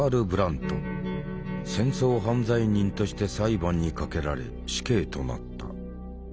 戦争犯罪人として裁判にかけられ死刑となった。